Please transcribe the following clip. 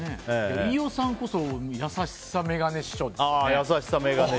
飯尾さんこそ優しさ眼鏡師匠ですよね。